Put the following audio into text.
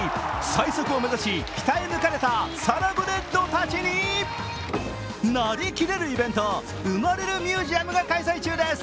最速を目指し鍛え抜かれたサラブレッドたちになりきれるイベント、馬れるＭＵＳＥＵＭが開催中です。